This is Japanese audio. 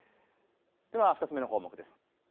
２つ目の項目です。